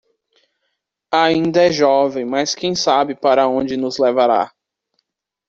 Ainda é jovem, mas quem sabe para onde nos levará.